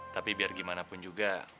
tapi biar gimana pun juga